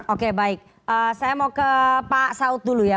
oke baik saya mau ke pak saud dulu ya